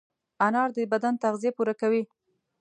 انار د بدن تغذیه پوره کوي.